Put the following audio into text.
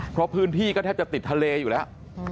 เพราะพื้นที่ก็แทบจะติดทะเลอยู่แล้ว